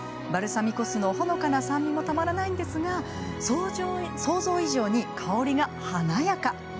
バルサミコ酢のほのかな酸味もたまらないんですが想像以上に香りが華やか。